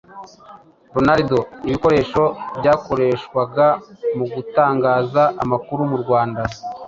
Rondora ibikoresho byakoreshwaga mu gutangaza amakuru mu Rwanda